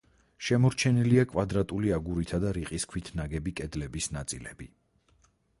შემორჩენილია კვადრატული აგურითა და რიყის ქვით ნაგები კედლების ნაწილები.